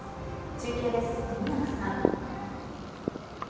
中継です、富永さん。